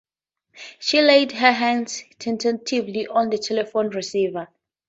She laid her hand tentatively on the telephone-receiver.